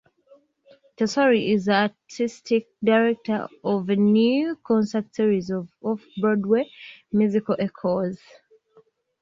Tesori is the artistic director of a new concert series of Off-Broadway musicals, Encores!